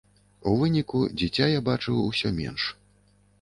У выніку дзіця я бачыў усё менш.